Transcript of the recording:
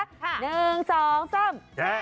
แชะ